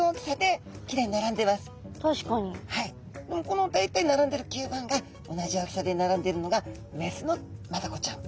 この大体ならんでる吸盤が同じ大きさでならんでるのがメスのマダコちゃん。